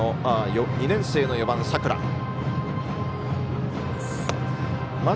２年生の４番、佐倉。